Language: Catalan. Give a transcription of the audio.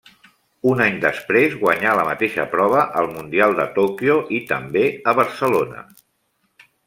Un any després guanyà la mateixa prova al Mundial de Tòquio i també a Barcelona.